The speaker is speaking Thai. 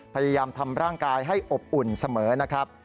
พยายามทำร่างกายให้อบอุ่นเสมอนะครับ